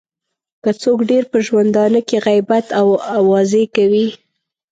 که څوک ډېر په ژوندانه کې غیبت او اوازې کوي.